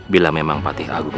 bila memang patih agung